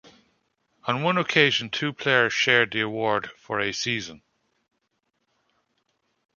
On one occasion two players shared the award for a season.